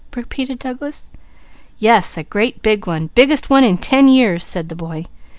'" repeated Douglas. "Yes! A great one! Biggest one in ten years!" said the boy.